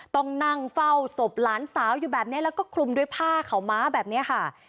ต้องนั่งเฝ้าศพหลานสาวอยู่แบบนี้แล้วก็คลุมด้วยผ้าขาวม้าแบบนี้ค่ะ